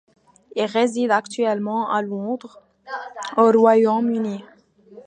Il réside actuellement à Londres, au Royaume-Uni.